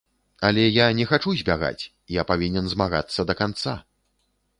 Але я не хачу збягаць, я павінен змагацца да канца.